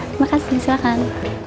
terima kasih silahkan